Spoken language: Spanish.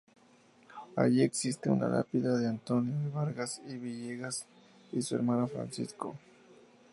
Allí existe una lápida de Antonio de Vargas y Villegas y su hermano Francisco.